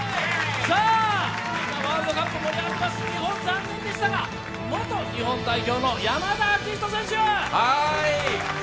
ワールドカップで盛り上がりました、ワールドカップ、日本残念でしたが元日本代表の山田章仁選手。